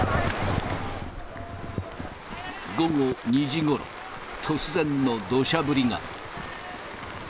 午後２時ごろ、突然のどしゃ降りが。